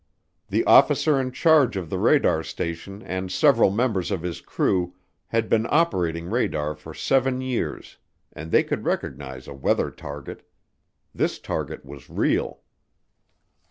The officer in charge of the radar station and several members of his crew had been operating radar for seven years and they could recognize a weather target. This target was real.